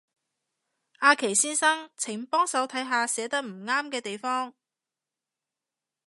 阿祁先生，請幫手睇下寫得唔啱嘅地方